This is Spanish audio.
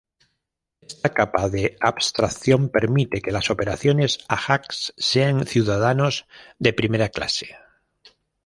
Esta capa de abstracción permite que las operaciones Ajax sean ciudadanos de primera clase.